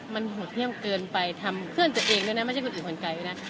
มันโหดเยี่ยมเกินไปทำเพื่อนตัวเองด้วยนะไม่ใช่คนอื่นคนไกลด้วยนะ